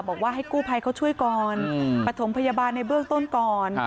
บอกว่าให้กู้ภัยเขาช่วยก่อนปฐมพยาบาลในเบื้องต้นก่อน